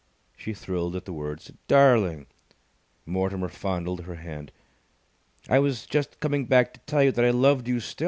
She thrilled at the words. "Darling!" Mortimer fondled her hand. "I was just coming back to tell you that I loved you still.